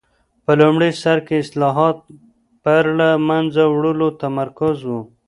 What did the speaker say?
په لومړي سر کې اصلاحات پر له منځه وړلو متمرکز و.